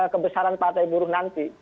kebesaran partai burung nanti